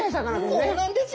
そうなんですよ。